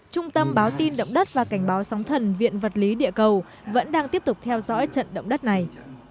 trung tâm báo tin động đất và cảnh báo sóng thần viện vật lý địa cầu vẫn đang tiếp tục theo dõi trận động đất này